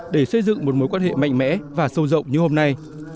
để xây dựng một mối quan hệ mạnh mẽ và sâu rộng như hôm nay